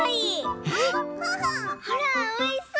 ほらおいしそう！